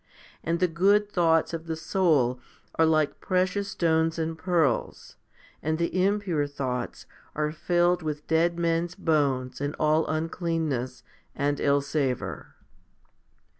And the good thoughts of the soul are like precious stones and pearls, and the impure thoughts are filled with dead men's bones and all uncleanness l and ill savour.